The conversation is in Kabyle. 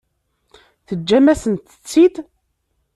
Teǧǧam-asent-tt-id?